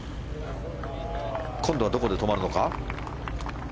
今度はどこで止まるのか。